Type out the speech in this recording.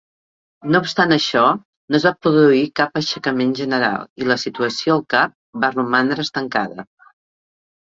No obstant això, no es va produir cap aixecament general, i la situació al Cap va romandre estancada.